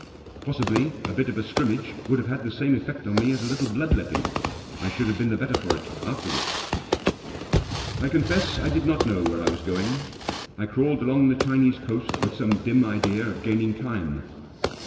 Possibly a bit of a scrimmage would have had the same effect on me as a little blood letting. I should have been the better for it afterwards. I confess I did not know where I was going. I crawled along the Chinese coast with some dim idea of gaining time.